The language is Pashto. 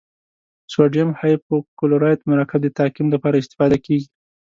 سوډیم هایپوکلورایت مرکب د تعقیم لپاره استفاده کیږي.